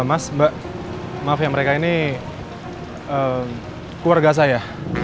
mas mbak maaf ya mereka ini keluarga saya